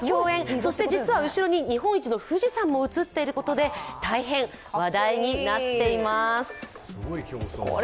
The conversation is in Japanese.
そして実は後ろに日本一の富士山も映っているということで大変、話題になっています。